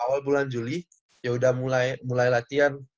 awal bulan juli ya udah mulai latihan